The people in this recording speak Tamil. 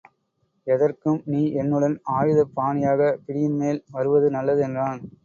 எதற்கும் நீ என்னுடன் ஆயுத பாணியாகப் பிடியின்மேல் வருவது நல்லது என்றான்.